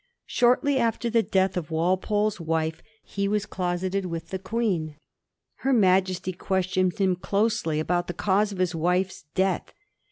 Shortly after the death of Walpole's wife he was closeted with the Queen. Her Majesty questioned him closely about the cause of his wife's death.